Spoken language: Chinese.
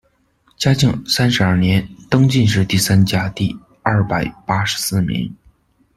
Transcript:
嘉靖三十二年，登进士第三甲第二百八十四名。